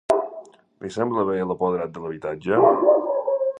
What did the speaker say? Li sembla bé a l'apoderat de l'habitatge?